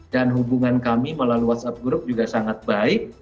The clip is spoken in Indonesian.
hubungan kami melalui whatsapp group juga sangat baik